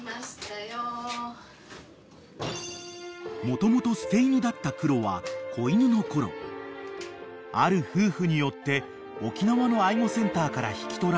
［もともと捨て犬だったクロは子犬のころある夫婦によって沖縄の愛護センターから引き取られた］